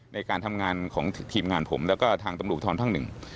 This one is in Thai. ในการทำงานของทีมงานผมแล้วก็ทางตำรวจทรภาคหนึ่ง